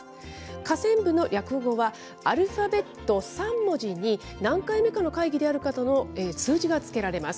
下線部の略語は、アルファベット３文字に何回目かの会議であるかとの数字がつけられます。